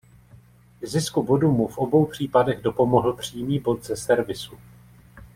K zisku bodu mu v obou případech dopomohl přímý bod ze servisu.